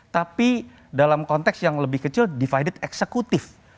tapi dalam konteks yang lebih kecil divided eksekutif